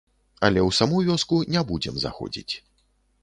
Але ў саму вёску не будзем заходзіць.